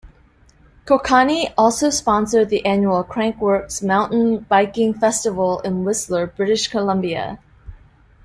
Kokanee also sponsored the annual Crankworx mountain biking festival in Whistler, British Columbia.